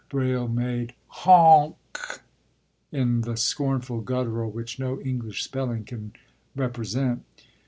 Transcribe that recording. ” Braile made “Hoonck!” in the scornful guttural which no English spelling can represent.